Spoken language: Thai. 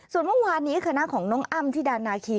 ส่วนเมื่อวานนี้คณะของน้องอ้ำที่ดานาคี